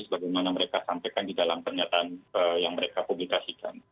sebagaimana mereka sampaikan di dalam pernyataan yang mereka publikasikan